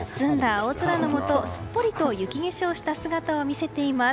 青空のもと、すっぽりと雪化粧した姿を見せています。